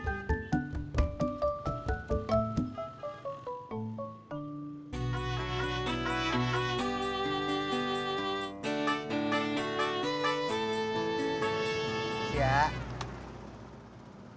semoga berhasil salit